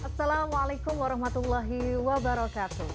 assalamualaikum warahmatullahi wabarakatuh